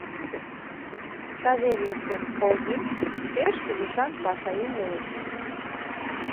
Савельев ден Колбин пеш кӱлешан пашаеҥ улыт...